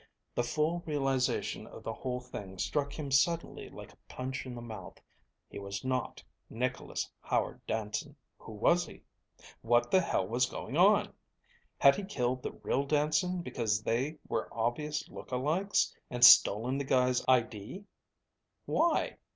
The full realization of the whole thing struck him suddenly like a punch in the mouth. He was not Nicholas Howard Danson! Who was he? What the hell was going on? Had he killed the real Danson because they were obviously look alikes, and stolen the guy's I.D. Why?